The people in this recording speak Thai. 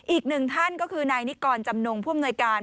อีกหนึ่งท่านก็คือนายนิกรจำนงผู้อำนวยการ